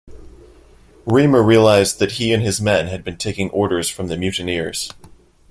Remer realised that he and his men had been taking orders from the mutineers.